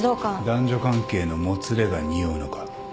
男女関係のもつれがにおうのか？